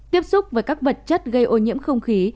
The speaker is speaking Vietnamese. tiếp xúc với các vật chất gây ô nhiễm không khí